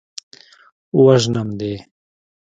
وژنم دې.